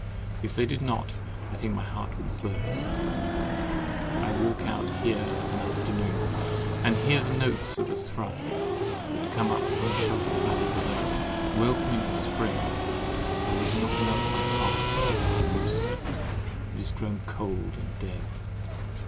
If they did not, I think my heart would burst. I walk out here of an afternoon, and hear the notes of the thrush, that come up from a sheltered valley below, welcome in the spring; but they do not melt my heart as they used: it is grown cold and dead.